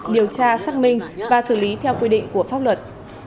điều tra xác minh và xử lý theo quy định của pháp luật